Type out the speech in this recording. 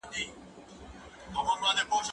مکتب خلاص کړه؟!